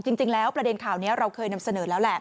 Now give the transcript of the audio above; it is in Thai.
จริงแล้วประเด็นข่าวนี้เราเคยนำเสนอแล้วแหละ